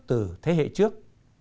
từ thế hệ trước